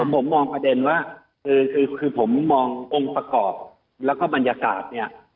ผมมองประเด็นว่าคือผมมององค์ประกอบแล้วก็บรรยากาศเนี่ย